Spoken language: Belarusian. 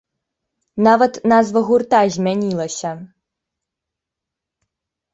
Нават назва гурта змянілася!